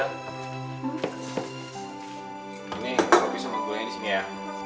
ini lo bisa nungguin disini ya